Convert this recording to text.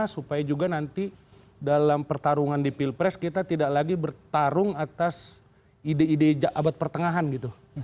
supaya juga nanti dalam pertarungan di pilpres kita tidak lagi bertarung atas ide ide abad pertengahan gitu